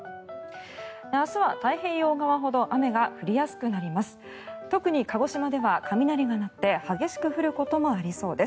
明日は太平洋側ほど雨が降りやすくなります。